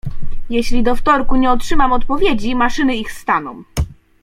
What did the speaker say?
"Jeśli do wtorku nie otrzymam odpowiedzi, maszyny ich staną."